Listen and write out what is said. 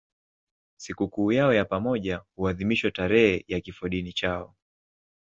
Sikukuu yao ya pamoja huadhimishwa tarehe ya kifodini chao.